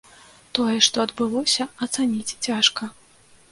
Тое, што адбылося, ацаніць цяжка.